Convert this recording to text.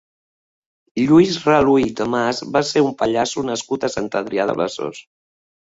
Lluís Raluy i Tomàs va ser un pallasso nascut a Sant Adrià de Besòs.